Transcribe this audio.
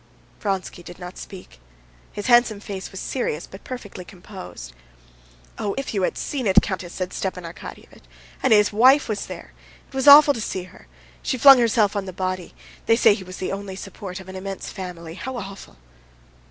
Vronsky did not speak; his handsome face was serious, but perfectly composed. "Oh, if you had seen it, countess," said Stepan Arkadyevitch. "And his wife was there.... It was awful to see her!... She flung herself on the body. They say he was the only support of an immense family. How awful!"